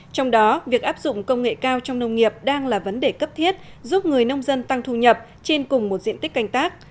trong đó việc áp dụng công nghệ cao trong nông nghiệp đang là vấn đề cấp thiết giúp người nông dân tăng thu nhập trên cùng một diện tích canh tác